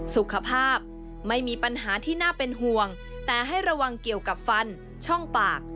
สุขภาพไม่มีปัญหาที่น่าเป็นห่วงแต่ให้ระวังเกี่ยวกับฟันช่องปาก